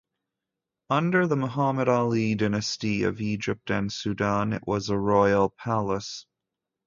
Under the Muhammad Ali Dynasty of Egypt and Sudan, it was a royal palace.